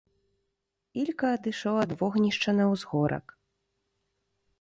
Ілька адышоў ад вогнішча на ўзгорак.